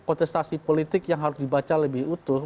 ada protestasi politik yang harus dibaca lebih utuh